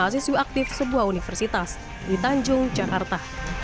mahasiswi aktif sebuah universitas di tanjung jakarta